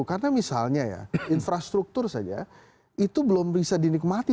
karena misalnya ya infrastruktur saja itu belum bisa dinikmati